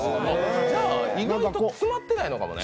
意外と詰まってないのかもね。